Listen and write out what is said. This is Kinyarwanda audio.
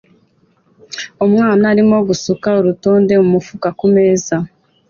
Umwana arimo asuka urutonde mumufuka kumeza